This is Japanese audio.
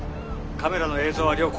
カメラの映像は良好。